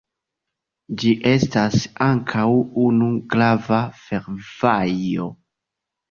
Ĝi estas ankaŭ unu grava fervojo.